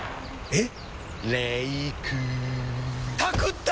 えっ⁉